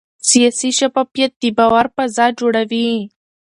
سیاسي شفافیت د باور فضا جوړوي